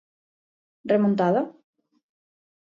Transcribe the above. Remontada?